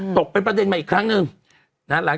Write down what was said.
ตกเป็นประเด็นมาอีกครั้งนึง